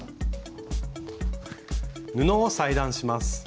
布を裁断します。